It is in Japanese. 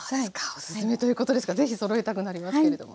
オススメということですか是非そろえたくなりますけれども。